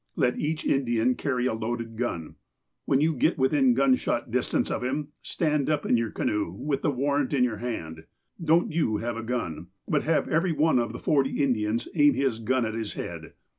Let each Indian carry a loaded gun. When you get within gun shot distance of him, stand up in your canoe, with the warrant in your hand. Don't you have a gun. But have every one of the forty Indians aim his gun at his head.